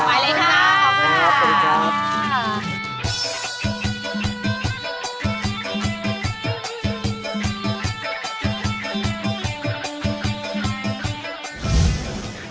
ขอบคุณครับ